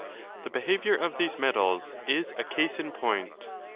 The behaviour of these metals is a case in point.